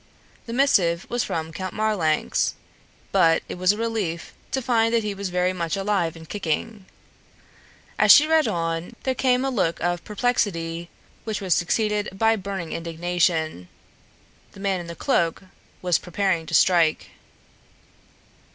The missive was from Count Marlanx; but it was a relief to find that he was very much alive and kicking. As she read on, there came a look of perplexity which was succeeded by burning indignation. The man in the cloak was preparing to strike.